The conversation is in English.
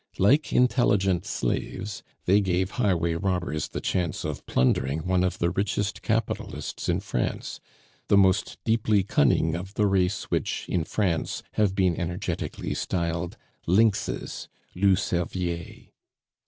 Like intelligent slaves, they gave highway robbers the chance of plundering one of the richest capitalists in France, the most deeply cunning of the race which, in France, have been energetically styled lynxes loups cerviers.